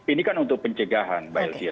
ini kan untuk pencegahan